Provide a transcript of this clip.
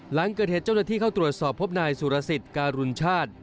หลังเกิดเหตุเจ้าหน้าที่เข้าตรวจสอบพบนายสุรสิทธิ์การุณชาติ